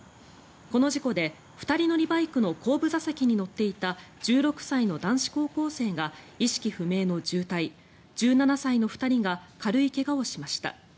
この事故で２人乗りバイクの後部座席に乗っていた１６歳の男子高校生が意識不明の重体１７歳の２人が軽い怪我をしました。